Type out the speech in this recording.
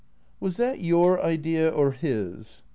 " Was that your idea, or his